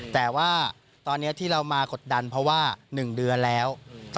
แต่ว่าตอนนี้ที่เรามากดดันเพราะว่า๑เดือนแล้ว